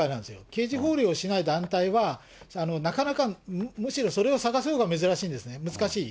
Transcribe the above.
刑事法令をしない団体は、なかなか、むしろそれを探すほうが珍しいんですよね、難しい。